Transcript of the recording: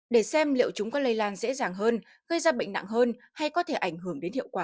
để xem liệu chúng có lây lan dễ dàng hơn gây ra bệnh nặng hơn hay có thể ảnh hưởng đến hiệu quả